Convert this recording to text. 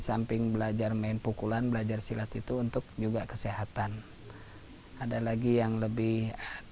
jingkrak jingkrik yang berarti lincah sesuai gerakan si monyet